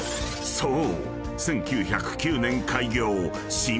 ［そう！